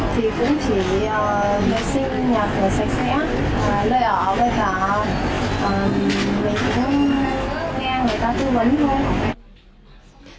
thì cũng chỉ vệ sinh nhà cửa sạch sẽ lợi ảo với cả người thương ngang người ta tư vấn luôn